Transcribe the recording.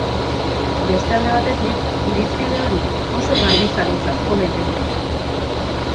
Beste alde batetik, irizpide hori oso garbizaletzat jo daiteke.